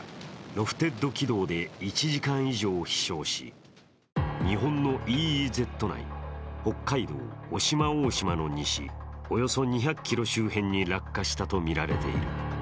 ロフテッド軌道で１時間以上飛しょうし日本のＥＥＺ内、北海道の渡島大島の西、およそ２００ｋｍ周辺に落下したとみられている。